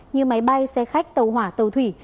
như máy bay xe khách tàu hỏa tàu thủy